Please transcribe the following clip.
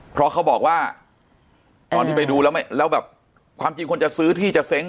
เพราะเขาบอกว่าตอนที่ไปดูแล้วแบบความจริงคนจะซื้อที่จะเซ้ง